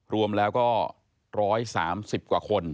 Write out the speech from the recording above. รวมแล้วก็๑๓๐กว่าคน